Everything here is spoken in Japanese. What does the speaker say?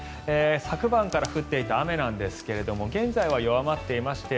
昨晩から降っていた雨なんですけれども現在は弱まっていまして